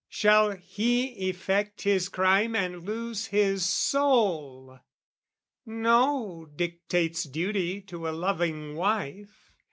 Shall he effect his crime and lose his soul? No, dictates duty to a loving wife.